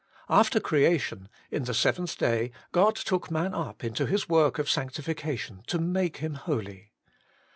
After creation, in the seventh day, God took man up into His work of sanctification to make him holy.